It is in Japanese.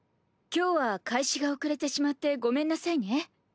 今日は開始が遅れてしまってごめんなさいね。